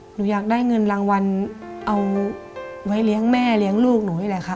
หนูอยากได้เงินรางวัลเอาไว้เลี้ยงแม่เลี้ยงลูกหนูนี่แหละค่ะ